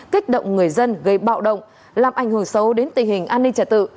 kích động người dân gây bạo động làm ảnh hưởng xấu đến tình hình an ninh trả tự